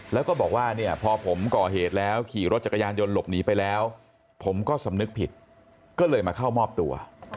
แล้วก็บอกว่าเนี่ยพอผมก่อเหตุแล้วขี่รถจักรยานยนต์หลบหนีไปแล้วผมก็สำนึกผิดก็เลยมาเข้ามอบตัว